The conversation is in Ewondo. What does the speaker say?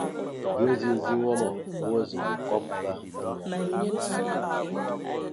Nga nziziŋ wama o azu ma kɔb va ana.